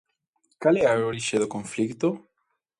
Cal é a orixe do conflito?